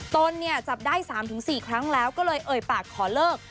ตนเนี่ยจับได้๓๔ครั้งแล้วก็เลยเอ่ยปากขอเลิก